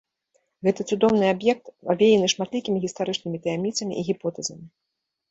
Гэты цудоўны аб'ект авеяны шматлікімі гістарычнымі таямніцамі і гіпотэзамі.